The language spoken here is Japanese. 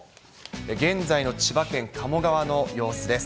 現在の千葉県鴨川の様子です。